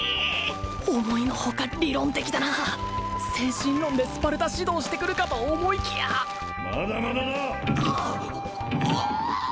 思いのほか理論的だな精神論でスパルタ指導してくるかと思いきやまだまだだ！